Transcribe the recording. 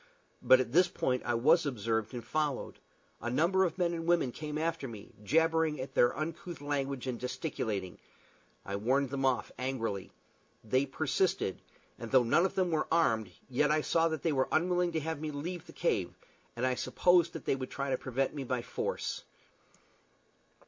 But at this point I was observed and followed. A number of men and women came after me, jabbering their uncouth language and gesticulating. I warned them off, angrily. They persisted, and though none of them were armed, yet I saw that they were unwilling to have me leave the cave, and I supposed that they would try to prevent me by force.